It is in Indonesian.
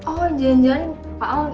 oh jangan jangan pak al